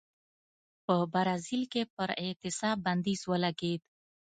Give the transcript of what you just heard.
په برازیل کې پر اعتصاب بندیز ولګېد.